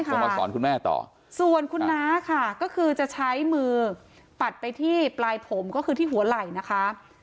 คงมาสอนคุณแม่ต่อส่วนคุณน้าค่ะก็คือจะใช้มือปัดไปที่ปลายผมก็คือที่หัวไหล่นะคะ